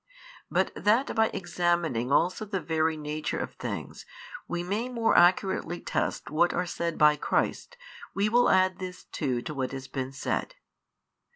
But that by examining also the very nature of things, we may more accurately test what are said by Christ, we will add this too to what has been said.